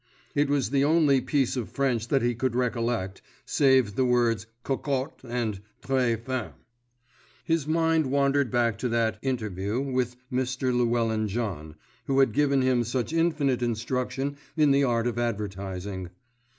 It was the only piece of French that he could recollect, save the words "cocotte" and "très femme." His mind wandered back to that "interview" with Mr. Llewellyn John, who had given him such infinite instruction in the art of advertising.